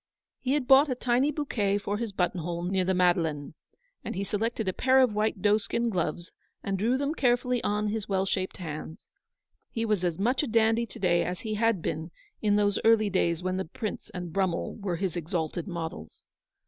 He had. bought a tiny bouquet for his button hole near the Madeleine, and he selected a pair of white doeskin gloves, and drew them carefully on his well shaped hands. He was as much a dandy to day as he had been in those early days when the Prince and Brummel were his exalted models.